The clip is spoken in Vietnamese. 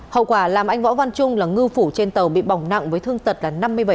hậu quả làm anh võ văn trung là ngư phủ trên tàu bị bỏng nặng với thương tật là năm mươi bảy